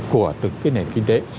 của từng cái nền kinh tế